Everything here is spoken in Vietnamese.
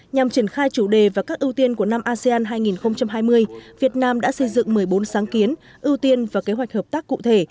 nhằm triển khai chủ đề và các ưu tiên của năm asean hai nghìn hai mươi việt nam đã xây dựng một mươi bốn sáng kiến ưu tiên và kế hoạch hợp tác cụ thể